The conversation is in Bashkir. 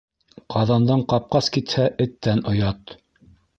Ҡаҙандан ҡапҡас китһә, эттән оят